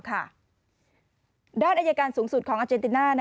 อายการสูงสุดของอาเจนติน่า